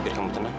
biar kamu tenang